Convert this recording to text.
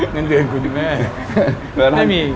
เงินเดือนคุณแม่ไม่มี